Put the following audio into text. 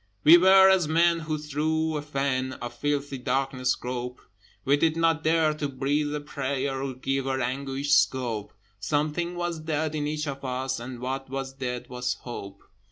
We were as men who through a fen Of filthy darkness grope: We did not dare to breathe a prayer, Or give our anguish scope: Something was dead in each of us, And what was dead was Hope.